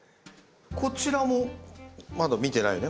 こちらもまだ見てないよね？